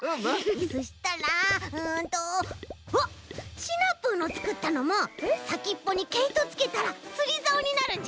そしたらうんとシナプーのつくったのもさきっぽにけいとつけたらつりざおになるんじゃない？